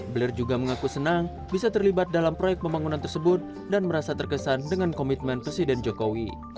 bler juga mengaku senang bisa terlibat dalam proyek pembangunan tersebut dan merasa terkesan dengan komitmen presiden jokowi